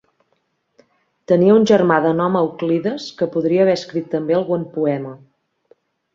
Tenia un germà de nom Euclides que podria haver escrit també algun poema.